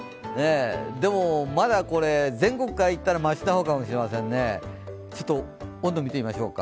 でも、まだこれ、全国からいったら、マシな方かもしれませんね。温度、見てみましょうか。